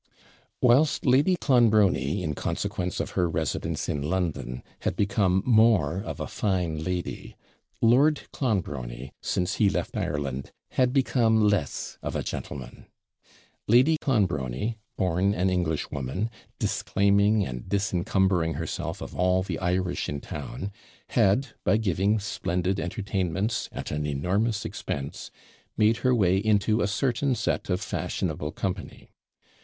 Whilst Lady Clonbrony, in consequence of her residence in London, had become more of a fine lady, Lord Clonbrony, since he left Ireland, had become less of a gentleman. Lady Clonbrony, born an Englishwoman, disclaiming and disencumbering herself of all the Irish in town, had, by giving splendid entertainments, at an enormous expense, made her way into a certain set of fashionable company.